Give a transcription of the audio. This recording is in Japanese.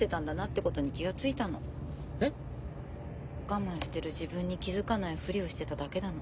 我慢してる自分に気付かないふりをしてただけなの。